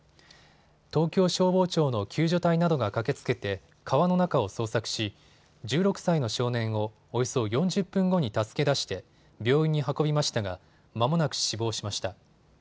東京消防庁の救助隊などが駆けつけて川の中を捜索し１６歳の少年をおよそ４０分後に助け出して病院に運びましたがまもなく死亡しました。